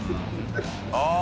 ああ。